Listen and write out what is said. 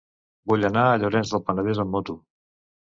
Vull anar a Llorenç del Penedès amb moto.